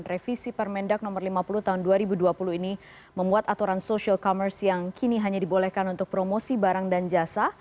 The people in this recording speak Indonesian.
revisi permendak no lima puluh tahun dua ribu dua puluh ini membuat aturan social commerce yang kini hanya dibolehkan untuk promosi barang dan jasa